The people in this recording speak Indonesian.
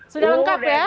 sudah lengkap ya